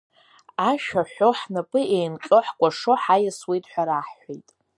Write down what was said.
Ашәа ҳәо, ҳнапы еинҟьо, ҳкәашо ҳаиасуеит ҳәа раҳҳәеит.